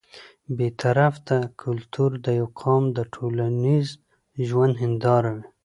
بل طرف ته کلتور د يو قام د ټولنيز ژوند هنداره وي